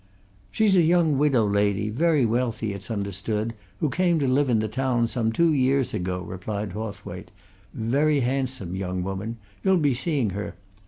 "She's a young widow lady, very wealthy, it's understood, who came to live in the town some two years ago," replied Hawthwaite. "Very handsome young woman you'll be seeing her.